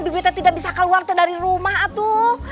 bibita tidak bisa keluar dari rumah ate